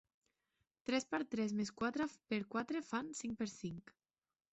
Tres per tres més quatre per quatre fan cinc per cinc.